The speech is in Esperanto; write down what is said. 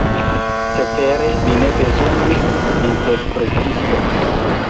Cetere, mi ne bezonis interpretiston.